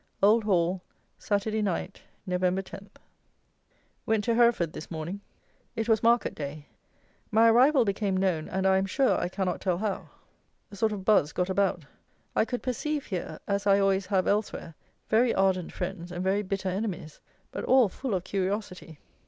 Old Hall, Saturday night, Nov. 10. Went to Hereford this morning. It was market day. My arrival became known, and, I am sure, I cannot tell how. A sort of buz got about. I could perceive here, as I always have elsewhere, very ardent friends and very bitter enemies; but all full of curiosity.